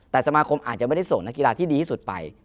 แต่สมาคมอาจจะไม่ได้ส่งนักกีฬาที่ดีที่สุดไป